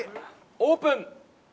オープン！